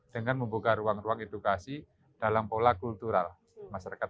dengan membuka ruang ruang edukasi dalam pola kultural masyarakat